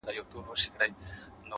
زه به هم داسي وكړم ـ